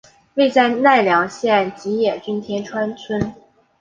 位在奈良县吉野郡天川村。